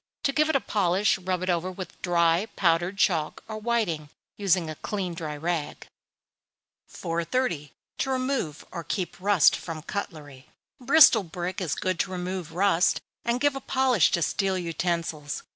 To give it a polish, rub it over with dry powdered chalk or whiting, using a clean dry rag. 430. To remove or keep Rust from Cutlery. Bristol brick is good to remove rust, and give a polish to steel utensils.